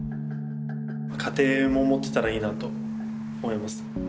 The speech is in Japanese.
家庭も持ってたらいいなと思います。